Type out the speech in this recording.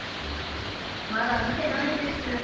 まだ見てないんです。